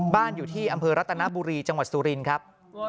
บ้านอยู่ที่อำเภอรัตนบุรีจังหวัดสุรินครับ